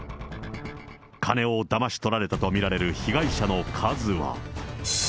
金をだまし取られたと見られる被害者の数は。